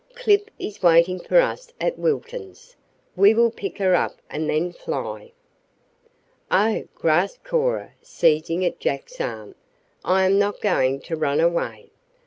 Clip is waiting for us at Wiltons'. We will pick her up and then fly." "Oh!" gasped Cora, seizing at Jack's arm. "I am not going to run away.